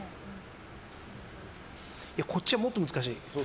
こっちはもっと難しい。